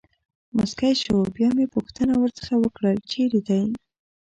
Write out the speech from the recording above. مسکی شو، بیا مې پوښتنه ورڅخه وکړل: چېرې دی.